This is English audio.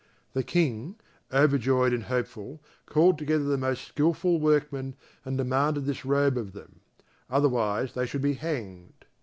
The King, overjoyed and hopeful, called together the most skilful workmen, and demanded this robe of them; otherwise they should be hanged.